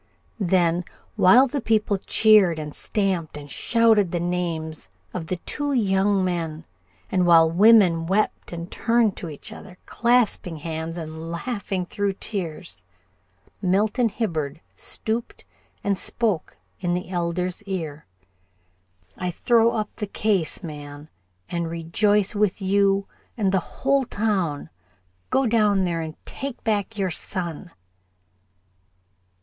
Then, while the people cheered and stamped and shouted the names of the two young men, and while women wept and turned to each other, clasping hands and laughing through tears, Milton Hibbard stooped and spoke in the Elder's ear. "I throw up the case, man, and rejoice with you and the whole town. Go down there and take back your son."